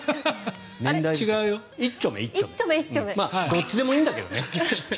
どっちでもいいんだけどね。